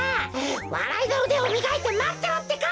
わらいのうでをみがいてまってろってか！